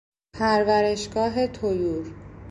پرورشگاه طیور